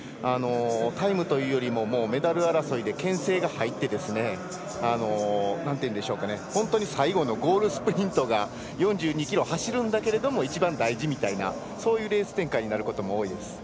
タイムというよりもメダル争いでけん制が入って、本当に最後のゴールスプリントが４２ｋｍ走るんだけれども一番大事みたいなそういうレース展開になることも多いです。